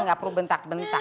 nggak perlu bentak bentak